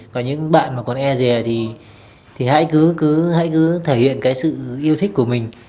còn những bạn mà còn e rè thì hãy cứ thể hiện cái sự yêu thích của mình